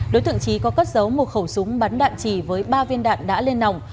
đối tượng trí có cất giấu một khẩu súng bắn đạn trì với ba viên đạn đã lên nòng